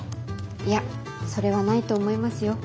いやそれはないと思いますよ。